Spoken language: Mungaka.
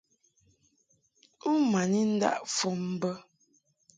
U ma ni ndaʼ fɔm bə.